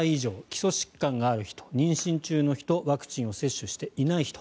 基礎疾患がある人妊娠中の人ワクチンを接種していない人。